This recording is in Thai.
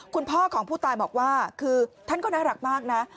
คุณพ่อของผู้ตายบอกว่าคือท่านก็น่ารักมากนะ